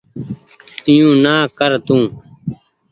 اي يو نا ڪر تو